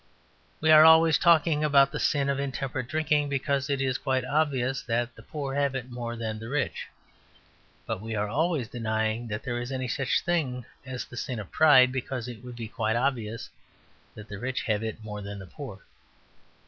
We are always talking about the sin of intemperate drinking, because it is quite obvious that the poor have it more than the rich. But we are always denying that there is any such thing as the sin of pride, because it would be quite obvious that the rich have it more than the poor.